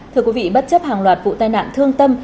thưa quý vị bất chấp hàng loạt vụ tai nạn thương tâm